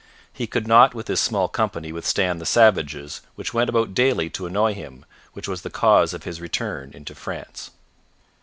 'He could not with his small company withstand the savages, which went about daily to annoy him, which was the cause of his return into France.'